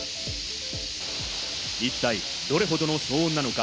一体どれほどの騒音なのか？